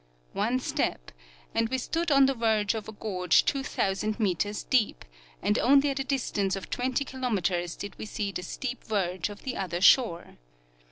One step, and we stood on the verge of a gorge 2,000 meters deep, and only at a distance of 20 kilometers did we see the steep verge of the other shore.